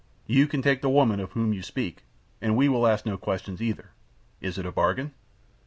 You can take the woman of whom you speak, and we will ask no questions either. Is it a bargain?"